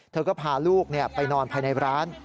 เธอก็พาลูกไปนอนภายในร้าน